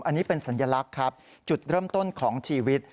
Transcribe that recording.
อันนี้เป็นสัญลักษณ์ครับจุดเริ่มต้นของชีวิต